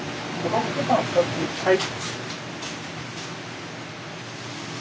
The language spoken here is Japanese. はい。